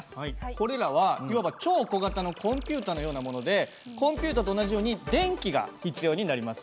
これらはいわば超小型のコンピュータのようなものでコンピュータと同じように電気が必要になります。